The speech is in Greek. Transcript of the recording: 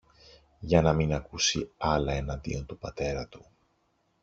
για να μην ακούσει άλλα εναντίον του πατέρα του.